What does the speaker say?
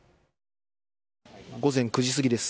午前９時過ぎです。